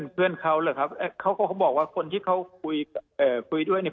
เพื่อนเขาหรือครับเขาก็เขาบอกว่าคนที่เขาคุยด้วยเนี่ย